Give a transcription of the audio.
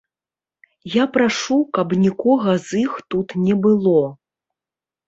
Я прашу, каб нікога з іх тут не было.